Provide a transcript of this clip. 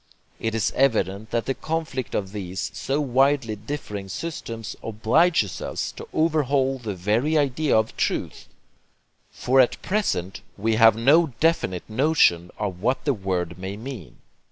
It is evident that the conflict of these so widely differing systems obliges us to overhaul the very idea of truth, for at present we have no definite notion of what the word may mean.